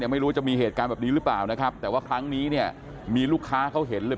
ไม่รู้จะมีเหตุการณ์แบบนี้หรือเปล่านะครับแต่ว่าครั้งนี้เนี่ยมีลูกค้าเขาเห็นเลย